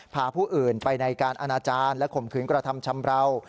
พาผู้อื่นไปในการอนาจารย์และข่มขืนกระทำชำราว